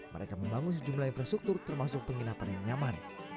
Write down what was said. mereka membangun sejumlah infrastruktur termasuk penginapan yang nyaman